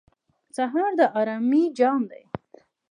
سهار د آرامۍ جام دی.